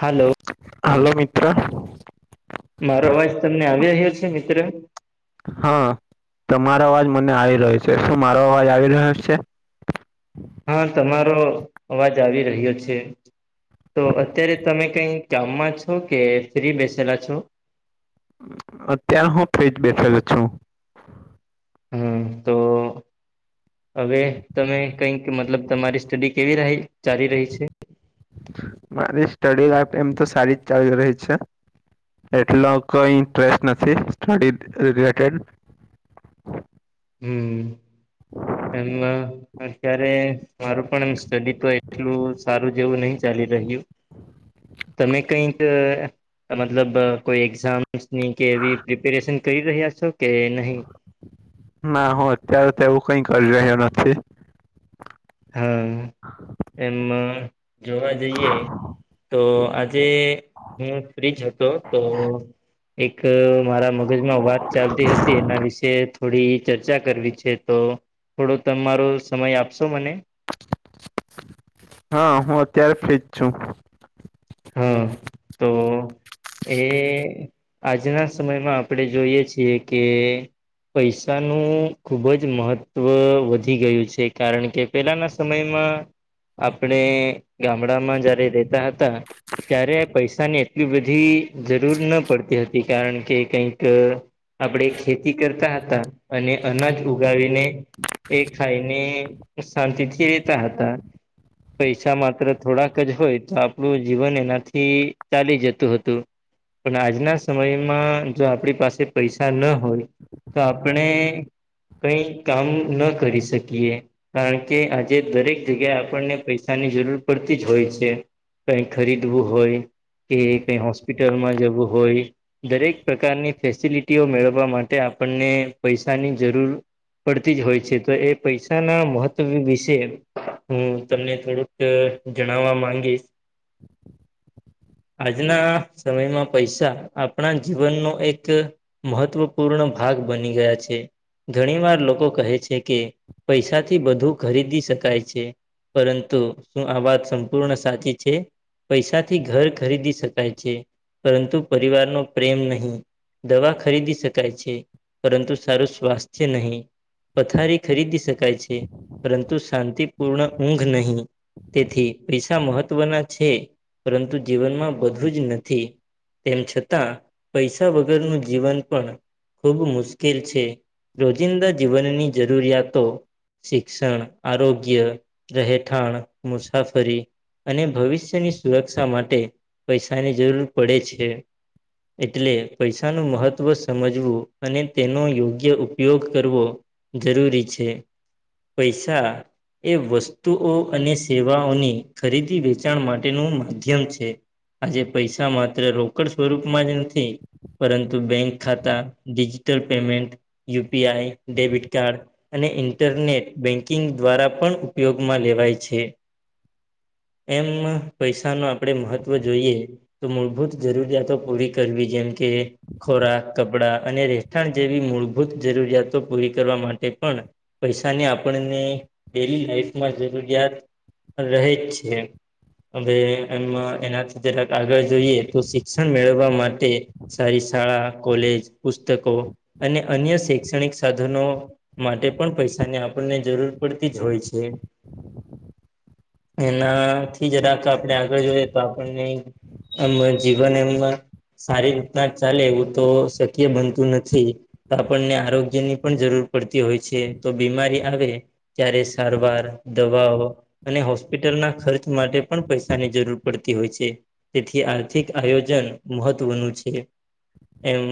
Hello હાલો મિત્ર મારો અવાજ તમને આવી રહ્યો છે મિત્ર હા તમારો અવાજ મને આવી રહ્યો છે શું મારો અવાજ આવી રહ્યો છે હા તમારો અવાજ આવી રહ્યો છે તો અત્યારે તમે કઈ કામમાં છો કે ફ્રી બેસેલા છો અત્યારે હું ફ્રીજ બેઠેલો છું હમ્મ તો હવે તમે કઈક મતલબ તમારી સ્ટડી કેવી રહી ચાલી રહી છે મારી સ્ટડી લાઈફ એમ તો સારી જ ચાલી રહી છે એટલો કઈ સ્ટ્રેસ નથી સ્ટડી રિલેટેડ હમ્મ એમાં અત્યારે મારું પણ એમ સ્ટડી તો એટલું સારું જેવું નહી ચાલી રહ્યું તમે કઈક મતલબ કોઈ એક્ઝામ ની કે એવી પ્રિપેરેશન કરી રહ્યા છો કે નહીં ના હું અત્યારે તો એવું કઈ કરી રહ્યો નથી હા એમમાં જોવા જઈએ તો આજે હું ફ્રી જ હતો તો એક મારા મગજમાં વાત ચાલતી હતી એના વિશેે થોડી ચર્ચા કરવી છે તો થોડો તમારો સમય આપશો મને હા હું અત્યારે ફ્રીજ છું હા તો જે આજના સમયમાં આપણે જોઈએ છીએ કે પૈસાનું ખૂબ જ મહત્ત્વ વધી ગયું છે કારણ કે પેલાના સમયમાં આપણે ગામડામાં જયારે રહેતા હતા ત્યારે પૈસાની એટલી બધી જરૂર ન પડતી હતી કારણ કે કઈક આપણેે ખેતી કરતા હતા અને અનાજ ઉગાવીને એ ખાઈને શાંતિ થી રેતા હતા પૈસા માત્ર થોડાક જ હોય તો આપડું જીવન એનાથી ચાલી જતું હતું પણ આજના સમયમાં જો આપણી પાસે પૈસા ન હોય તો આપણે કઈ કામ ન કરી શકીએ કારણ કે આજે દરેક જગ્યાએ આપણને પૈસાની જરૂર પડતી જ હોય છે કઈ ખરીદવું હોય કે કઈ હોસ્પિટલમાં જવું હોય દરેક પ્રકારની ફેસિલિટીઓ મેળવવા માટે આપણને પૈસાની જરૂર પડતી જ હોય છે તો એ પૈસાના મહત્વ વિશે હું તમને થોડુંક જણાવવા માંગીશ આજના સમયમાં પૈસા આપણા જીવનનો એક મહત્ત્વપૂર્ણ ભાગ બની ગયા છે ઘણી વાર લોકો કહે છે કે પૈસાથી બધું ખરીદી શકાય છે પરંતુ શું આ વાત સંપૂર્ણ સાચી છે પૈસાથી ઘર ખરીદી શકાય છે પરંતુ પરિવાર નો પ્રેમ નહી દવા ખરીદી શકાય છે, પરંતુ સારું સ્વાસ્થ્ય નહીં. પથારી ખરીદી શકાય છે પરંતુ શાંતિપૂર્ણ ઊંઘ નહીં. તેથી પૈસા મહત્વના છે, પરંતુ જીવનમાં બધું જ નથી. તેમ છતાં પૈસા વગરનું જીવન પણ ખૂબ મુશ્કેલ છે. રોજિંદા જીવનની જરૂરિયાતો શિક્ષણ, આરોગ્ય, રહેઠાણ, મુસાફરી. અને ભવિષ્યની સુરક્ષા માટે પૈસાની જરૂર પડે છે. એટલે પૈસાનું મહત્ત્વ સમજવું અને તેનો યોગ્ય ઉપયોગ કરવો. જરૂરી છે, પૈસા એ વસ્તુઓ અને સેવાઓની ખરીદી વેચાણ માટેનું માધ્યમ છે. આજે પૈસા માત્ર રોકડ સ્વરૂપમાં જ નથી. પરંતુ બેંક ખાતા digital payment, U P I, debit card. અને ઇન્ટરનેટ બેંકિંગ દ્વારા પણ ઉપયોગમાં લેવાય છે. એમ પૈસા ન આપણેે મહત્વ જોઈએ. તો મૂળભૂત જરૂરિયાતો પૂરી કરવી જેમ કે ખોરાક કપડા અને રહેઠાણ જેવી મૂળભૂત જરૂરિયાતો પૂરી કરવા માટે પણ પૈસાની આપણને ડેલી લાઈફમાં જરૂરિયાત રહે જ છે. હવે એમાં એનાથી જરાક આગળ જોઈએ તો શિક્ષણ મેળવવા માટે સારી શાળા કોલેજ પુસ્તકો અને અન્ય શૈક્ષણિક સાધનો માટે પણ પૈસાની આપણને જરૂર પડતી જ હોય છે. એનાથી જ રાખ આપણે આગળ જોઈએ તો આપણને આમ જીવન એમાં સારી રીતના ચાલે એવું તો શક્ય બનતું નથી. તો આપણને આરોગ્ય ની પણ જરૂર પડતી હોય છે તો બીમારી આવે. ત્યારે સારવાર દવાઓ અને હોસ્પિટલના ખર્ચ માટે પણ પૈસા ની જરૂર પડતી હોય છે, તેથી આર્થિક આયોજન મહત્વનું છે. એમ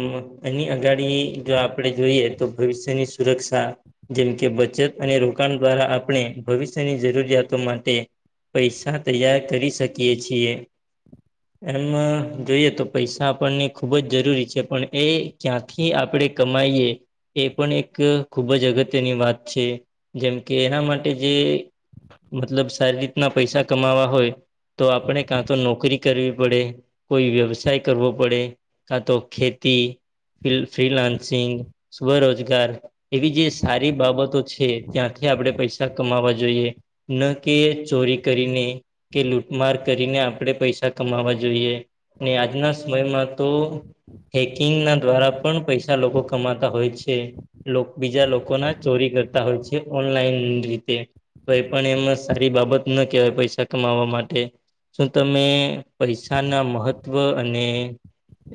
એની અગાડી જો આપણે જોઈએ તો ભવિષ્યની સુરક્ષા. જેમ કે બચત અને રોકાણ દ્વારા આપણે ભવિષ્યની જરૂરિયાતો માટે. પૈસા તૈયાર કરી શકીએ છીએ. એમ જોઈએ તો પૈસા આપણને ખૂબ જ જરૂરી છે પણ એ ક્યાંક થી આપણેે કમાઈએ. એ પણ એક ખૂબ જ અગત્યની વાત છે, જેમ કે એના માટે જે મતલબ સારી રીતના પૈસા કમાવા હોય. તો આપણે કાં તો નોકરી કરવી પડે, કોઈ વ્યવસાય કરવો પડે. કા તો ખેતી, ફિલ ફ્રીલાન્સિંગ, સ્વરોજગાર એવી જે સારી બાબતો છે, ત્યાંથી આપણે પૈસા કમાવા જોઈએ. ન કે ચોરી કરીને કે લૂટ માર કરીને આપણે પૈસા કમાવા જોઈએ ને આજના સમયમાં તો હેકિંગના દ્વારા પણ પૈસા લોકો કમાતા હોય છે. લોક બીજા લોકોના ચોરી કરતા હોય છે ઓનલાઈન રીતે કઈ પણ એમાં સારી બાબત ન કહેવાય પૈસા કમાવા મા ટે શું તમે પૈસાના મહત્વ અને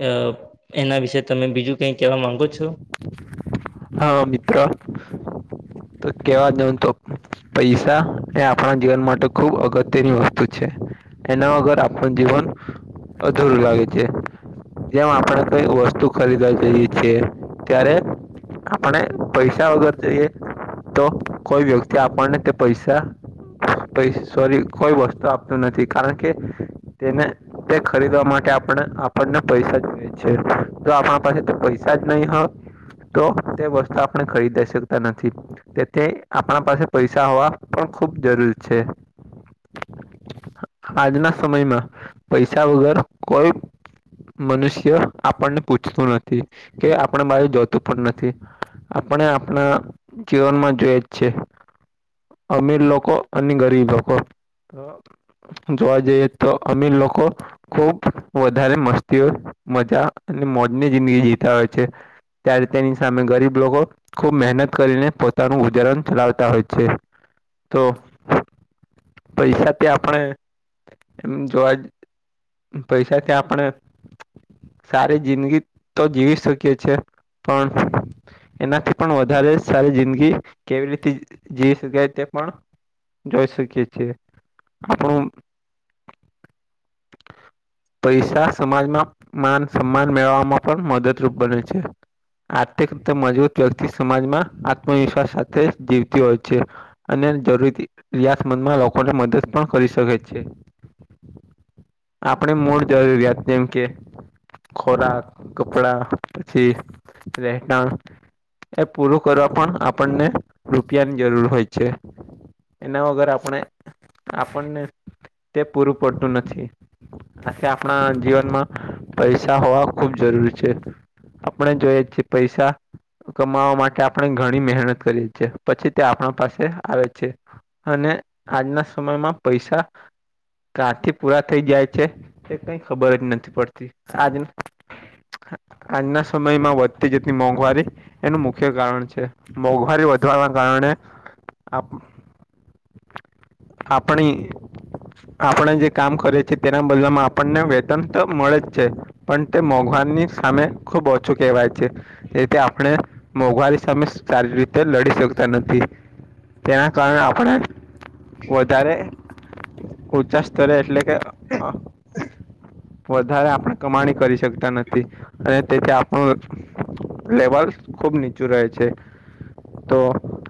અહ એના વિશે તમે બીજું કંઈ કહેવા માંગો છો? હા, મિત્ર તો કેવા જવ તો પૈસા એ આપડા જીવન માટે ખુબ અગત્યની વસ્તુ છે. એના વગર આપડુ જીવન અધૂરું લાગે છે. જેમ આપડે કઈ વસ્તુ ખરીદવા જઈએ છે ત્યારે આપણે પૈસા વગર જઈએ તો કોઈ વ્યક્તિ આપણને તે પૈસા પ સોરી કોઈ વસ્તુ આપતું નથી કારણકે તેને તે ખરીદવા માટે આપણે આપણને પૈસા જોઈએ છે, જો આપણા પૈસા જ નહીં હોય તો તે વસ્તુ આપણે ખરીદે શકતા નથી. તેથી આપણા પાસે પૈસા હોવા પણ ખુબ જરૂરી છે. આજના સમયમાં પૈસા વગર કોઈ મનુષ્ય આપણને પૂછતું નથી કે આપડા બાજુ જોતું પણ નથી, આપણે આપણા જીવનમાં જોઈ જ છે. અમીર લોકો અને ગરીબ લોકો. જોવા જઈએ તો અમીર લોકો. ખુબ વધારે મસ્તીઓ મજા અને મોજની જિંદગી જીતા હોય છે. ત્યારે તેની સામે ગરીબ લોકો ખૂબ મહેનત કરીને પોતાનું ઉદાહરણ ચલાવતા હોય છે. તો પૈસાથી આપણે એમ જોવા પૈસાથી આપણે. સારી જિંદગી તો જીવી શકીએ છે, પણ એનાથી પણ વધારે સારી જિંદગી કેવી રીતે જીવી શકાય તે પણ જય શીખી છે, આપું [inaudible] પૈસા સમાજમાં માન સન્માન મેળવવામાં પણ મદદરૂપ બને છે. આર્થિક રીતે મજબૂત વ્યક્તિ સમાજમાં આત્મવિશ્વાસ સાથે જીવતી હોય છે. અને જરૂરી રિયાતમંદમાં લોકોને મદદ પણ કરી શકે છે. આપણે મૂળ જરૂરિયાત જેમ કે. ખોરાક, કપડા, પછી રહેટણ. એ પૂરું કરવા પણ આપણને રૂપિયાની જરૂર હોય છે. એના વગર આપણે આપણને તે પૂરું પડતું નથી. સાથે કે આપણા જીવનમાં, પૈસા હોવા ખૂબ જરૂરી છે. આપણે જોઈએ છીએ પૈસા કમાવા માટે આપણે ઘણી મહેનત કરીએ છ છેએ પછી તે આપણા પાસે આવે છે. અને આજના સમયમાં પૈસા કાથી પૂરા થઈ જાય છે, એ કઈ ખબર જ નથી પડતી, આજને આજના સમયમાં વધતી જતી મોંઘવારી. એનું મુખ્ય કારણ છે. મોંઘવારી વધવાના કારણે આપણે આપણે જે કામ કરીએ છી તેના બધામાં આપણને વેતન તો મળે જ છે. પણ તે મોંઘવાન ની સામે ખુબ ઓછું કહેવાય છે. તે રીતે આપણે મોંઘવારી સામે સારી રીતે લડી શકતા નથી. તેના કારણે આપણે. વધારે ઊંચા સ્તરે એટલે કે વધારે આપણે કમાણી કરી શકતા નથી. અને તેથી આપણું લેવલ ખુબ નીચું રહે છે. તો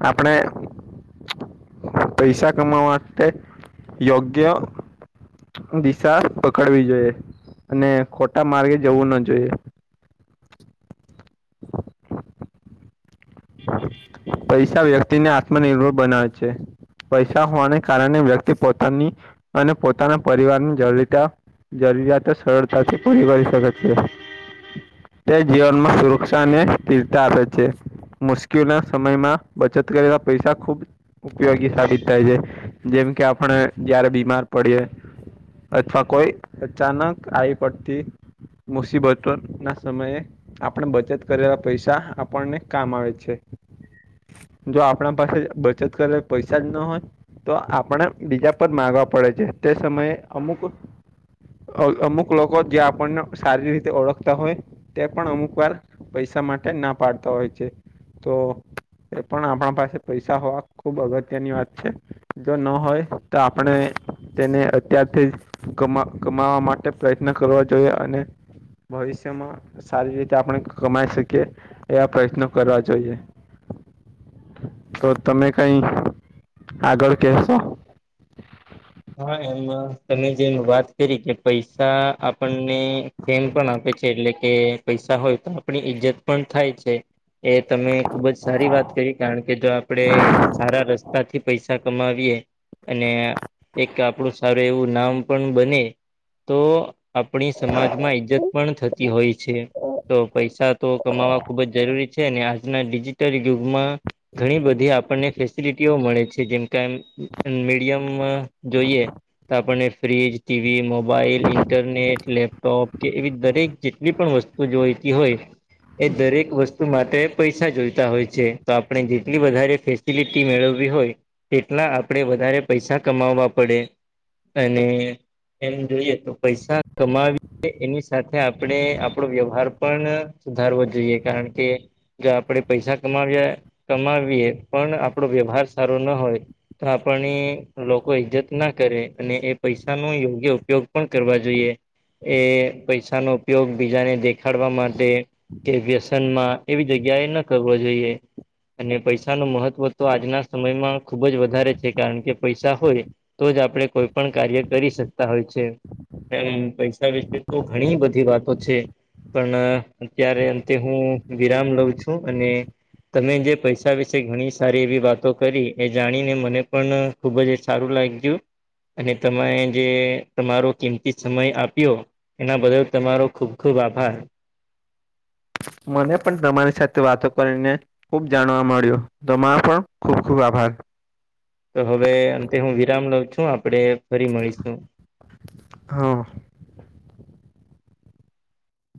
આપણે પૈસા કમાવા માટે યોગ્ય દિશા પકડવી જોઈએ અને ખોટા માર્ગે જવું ના જોઈએ. પૈસા વ્યક્તિને આત્મનિર્ભર બનાવે છે. પૈસા હોવાને કારણે વ્યક્તિ પોતાની અને પોતાના પરિવારની જરૂરતા. જરૂરિયાતો સરળતાથી પૂરી કરી શકે છે. તે જીવનમાં સુરક્ષા અને સ્થિરતા આપે છે. મુશ્કેલના સમયમાં બચત કરેલા પૈસા ખુબ ઉપયોગી સાબિત થાય છે. જેમ કે આપણે જયારે બીમાર પડીએ. અથવા કોઈ અચાનક આવી પડતી. મુસીબતો ના સમયે આપણે બચત કરેલા પૈસા આપણને કામ આવે. જો આપણા પાસે બચત કરે પૈસા જ ના હોય. તો આપણે બીજા પર માગવા પડે છે. તે સમયે અમુક અમુક લોકો જે આપણને સારી રીતે ઓળખતા હોય. તે પણ અમુક વાર પૈસા માટે ના પાડતા હોય છે. તો એ પણ આપણા પાસે પૈસા હોવા ખુબ અગત્યની વાત છે. જો ન હોય તો આપણે તેને અત્યારથી ગમાવા માટે પ્રયત્ન કરવા જોઈએ અને ભવિષ્યમાં સારી રીતે આપણે કમાઈ શકીએ, એવા પ્રયત્નો કરવા જોઈએ. તો તમે કઈ આગળ કેશો? હા એમ તમે જેમ વાત કરી કે પૈસા આપણને ફેમ પણ આપે છે, એટલે કે પૈસા હોય તો આપણી ઈજ્જત પણ થાય છે. એ તમે ખુબ જ સારી વાત કરી કારણ કે જો આપડણે સારા રસ્તા થી પૈસા કમાવીએ અને એક આપણું સારું એવું નામ પણ બને, તો આપણી સમાજમાં ઈજ્જત પણ થતી હોય છે. તો પૈસા તો કમાવા ખુબ જ જરૂરી અને આજના ડિજિટલ યુગમાં, ઘણી બધી આપણને ફેસિલિટીઓ મળે છે જેમ મીડિયમ જોઈએ, તો આપને fridge. TV mobile internet laptop કે એવી દરેક જેટલી પણ વસ્તુ જોઈતી હોય, એ દરેક વસ્તુ માટે પૈસા જોઈતા હોય છે તો આપણે જેટલી વધારે ફેસિલિટી મેળવવી હોય. એટલા આપણેે વધારે પૈસા કમાવા પડે, અને એમ જોઈએ તો પૈસા કમાવી એની સાથે આપણે આપણો વ્યવહાર પણ સુધારવો જોઈએ કારણ કે. જો આપણેે પૈસા કમાવ્યા કમાવીએ પણ આપણો વ્યવહાર સારોના હોય તો આપણની લોકો ઈજ્જત ના કરે અને એ પૈસા નો યોગ્ય ઉપયોગ પણ કરવા જોઈએ. એ પૈસાનો ઉપયોગ બીજાને દેખાડવા માટે કે વ્યસનમાં એવી જગ્યાએ ન કરવો જોઈએ. અને પૈસાનું મહત્વ તો આજના સમયમાં ખૂબજ વધારે છે, કારણકે પૈસા હોય તો જ આપડે કોઈ પણ કાર્ય કરી શકતા હોય છે. એમ પૈસા વિશે તો ઘણી બધી વાતો છે. પણ અત્યારે અંતે હું વિરામ લઉં છું અને તમે જે પૈસા વિશે ઘણી સારી એવી વાતો કરી એ જાણીને મને પણ ખુબજ સારું લાગ્યું. ગયું અને તમારે જે તમારો કિંમતી સમય આપ્યો એના બદલ તમારો ખુબ ખુબ આભાર. મને પણ તમારી સાથે વાતો કરીને ખુબ જાણવા મળ્યું. તમારો પણ ખૂબ ખુબ આભાર. તો હવે અંતે હું વિરામ લઉં છું, આપડે ફરી મળીશું. હા.